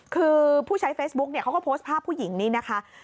คือผู้ใช้เฟซบุ๊กเนี่ยเขาก็โพสต์ภาพผู้หญิงนี้นะคะ